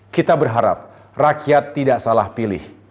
kita berharap rakyat tidak salah pilih